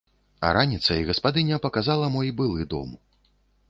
А раніцай гаспадыня паказала мой былы дом.